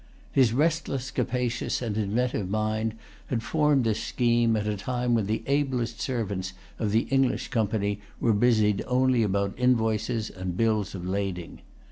His restless, capacious, and inventive mind had formed this scheme, at a time when the ablest servants of the English Company were busied only about invoices and bills of lading.